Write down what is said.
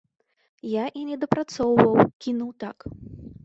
Я і не дапрацоўваў, кінуў так.